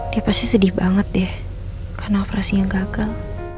dia pasti sedih banget deh karena operasinya gagal